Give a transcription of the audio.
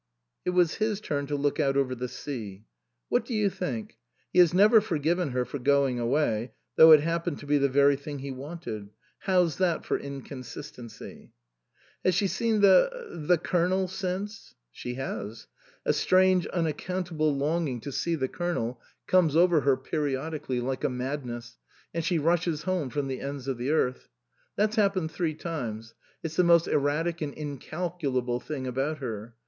It was his turn to look out over the sea. " What do you think ? He has never forgiven her for going away, though it happened to be the very thing he wanted. How's that for in consistency ?"" Has she seen the the Colonel since ?"" She has. A strange, unaccountable longing 164 OUTWARD BOUND to see the Colonel comes over her periodically, like a madness, and she rushes home from the ends of the earth. That's happened three times. It's the most erratic and incalculable thing about her.